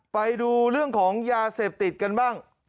ไปดูเรื่องของยาเสพติดกันบ้าง